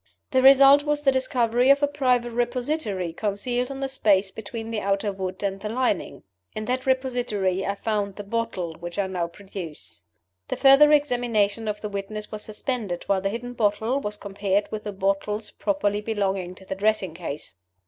The result was the discovery of a private repository concealed in the space between the outer wood and the lining. In that repository I found the bottle which I now produce." The further examination of the witness was suspended while the hidden bottle was compared with the bottles properly belonging to the dressing case.